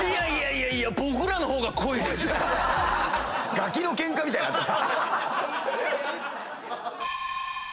ガキのケンカみたいになってる。